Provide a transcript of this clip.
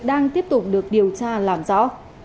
đang tiếp tục được điều tra làm rõ